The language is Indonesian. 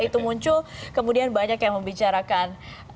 itu muncul kemudian banyak yang membicarakan